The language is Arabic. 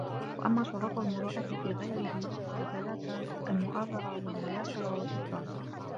وَأَمَّا شُرُوطُ الْمُرُوءَةِ فِي غَيْرِهِ فَثَلَاثَةٌ الْمُؤَازَرَةُ وَالْمُيَاسَرَةُ وَالْإِفْضَالُ